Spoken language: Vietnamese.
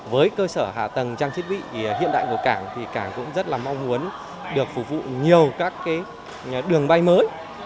với cơ sở hạ tầng trang thiết bị hiện đại của cảng thì cảng cũng rất là mong muốn được phục vụ nhiều các đường bay mới